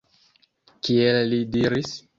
Kiel li diris